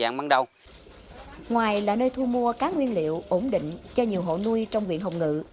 ngoài là nơi thu mua cá nguyên liệu ổn định cho nhiều hộ nuôi trong viện hồng ngự